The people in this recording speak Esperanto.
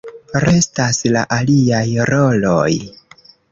Restas la aliaj roloj.